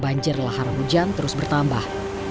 banjir lahar hujan terus bertambah